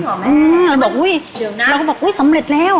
จริงเหรอแม่อืมบอกอุ้ยเดี๋ยวหน้าเราก็บอกอุ้ยสำเร็จแล้ว